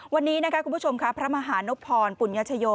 วันนี้คุณผู้ชมครับพระมหานพรปุญญาชโย